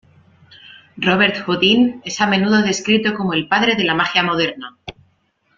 Robert-Houdin es a menudo descrito como "el padre de la magia moderna".